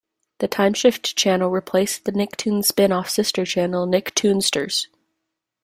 The timeshift channel replaced the Nicktoons spin off sister channel Nicktoonsters.